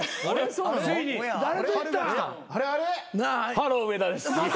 ハロー植田です。